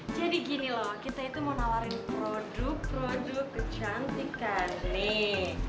jadi gini loh kita itu mau nawarin produk produk kecantikan nih